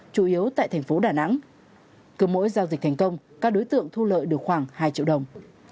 cứ mỗi giao dịch thành công các đối tượng thu lợi được khoảng hai triệu đồng